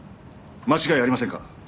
間違いありませんか？